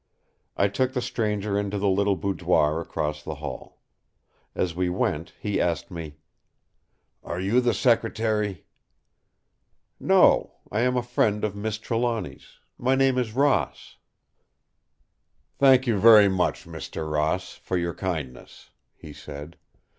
I took the stranger into the little boudoir across the hall. As we went he asked me: "Are you the secretary?" "No! I am a friend of Miss Trelawny's. My name is Ross." "Thank you very much, Mr. Ross, for your kindness!" he said.